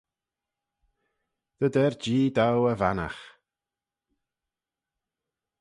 Dy der Jee dou e vannaght